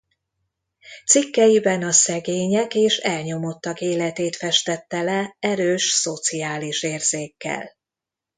Cikkeiben a szegények és elnyomottak életét festette le erős szociális érzékkel.